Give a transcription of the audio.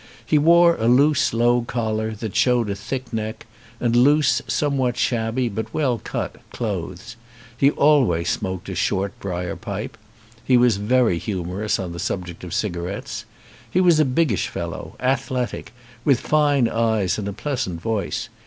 He wore a loose low collar that showed a thick neck and loose, somewhat shabby but well cut clothes. He always smoked a short briar pipe. He was very humorous on the subject of cigarettes. He was a biggish fellow, athletic, with fine eyes and a pleasant voice.